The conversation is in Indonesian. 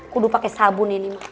kudu pake sabun ini